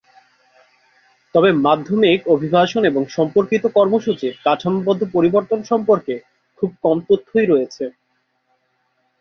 তবে, মাধ্যমিক অভিবাসন এবং সম্পর্কিত কর্মসূচীর কাঠামোগত পরিবর্তন সম্পর্কে খুব কম তথ্যই রয়েছে।